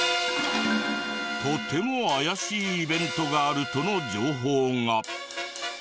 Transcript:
とても怪しいイベントがあるとの情報が。